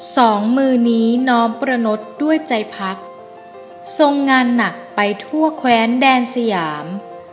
สองมือนี้น้อมประนดด้วยใจพักทรงงานหนักไปทั่วแคว้นแดนสยาม